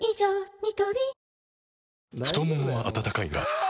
ニトリ太ももは温かいがあ！